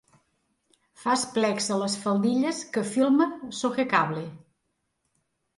Fas plecs a les faldilles que filma Sogecable.